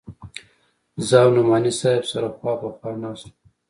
زه او نعماني صاحب سره خوا په خوا ناست وو.